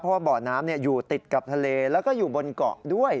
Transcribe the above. เพราะว่าบ่อน้ำอยู่ติดกับทะเลแล้วก็อยู่บนเกาะด้วย